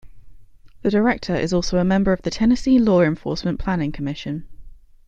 The director is also a member of the Tennessee Law Enforcement Planning Commission.